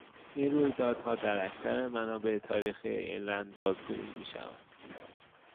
این رویدادها در اکثر منابع تاریخی ایرلند بازگویی میشود.